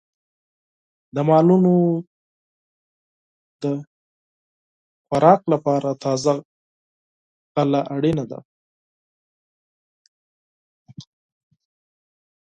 د مالونو د خوراک لپاره تازه غله اړینه ده.